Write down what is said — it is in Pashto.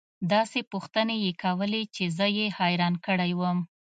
داسې پوښتنې يې كولې چې زه يې حيران كړى وم.